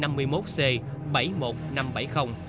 mang biển kiểm soát năm mươi một c bảy mươi một nghìn năm trăm bảy mươi